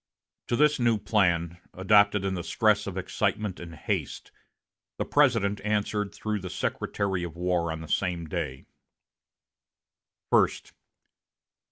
To this new plan, adopted in the stress of excitement and haste, the President answered through the Secretary of War on the same day: "First.